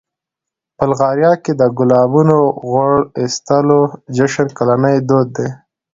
بلغاریا کې د ګلابونو غوړ اخیستلو جشن کلنی دود دی.